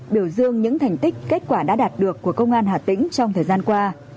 biểu dương những thành tích kết quả đã đạt được của công an hà tĩnh trong thời gian qua